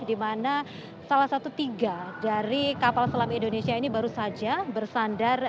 di mana salah satu tiga dari kapal selam indonesia ini baru saja bersandar